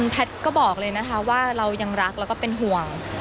แพทย์ก็บอกเลยนะคะว่าเรายังรักแล้วก็เป็นห่วง